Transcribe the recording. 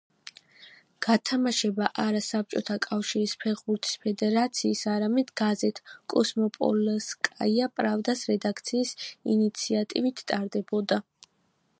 გათამაშება არა საბჭოთა კავშირის ფეხბურთის ფედერაციის, არამედ გაზეთ „კომსომოლსკაია პრავდას“ რედაქციის ინიციატივით ტარდებოდა.